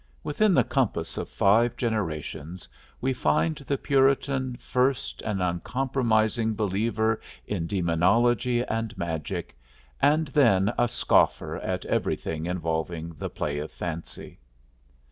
Within the compass of five generations we find the Puritan first an uncompromising believer in demonology and magic, and then a scoffer at everything involving the play of fancy.